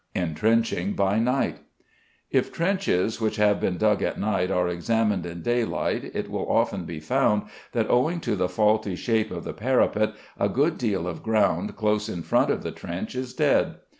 Entrenching by Night. If trenches which have been dug at night are examined in daylight, it will often be found that owing to the faulty shape of the parapet a good deal of ground close in front of the trench is dead.